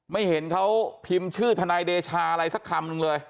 ไม่เห็นเขาพิมพ์ชื่อทนายเดชาอะไรสักคำหนึ่งเลย